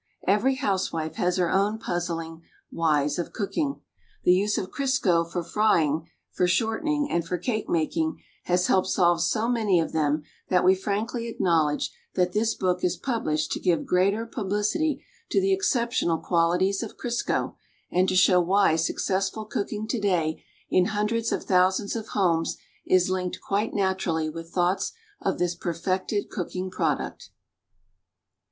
Every housewife has her own puzzling "Whys of Cooking." The use of Crisco for frying, for shortening, and for cake making has helped solve so many of them that we frankly acknowledge that this book is publish ed to give greater publicity to the exceptional qualities of Crisco and to show why successful cooking to day in hundreds of Lhousands of homes is linked cjuite naturally with thoughts of this perfected cooking product.